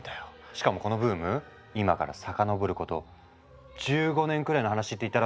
しかもこのブーム今から遡ること１５年くらいの話って言ったらどう？